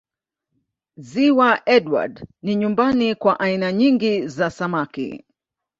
Ziwa Edward ni nyumbani kwa aina ningi za samaki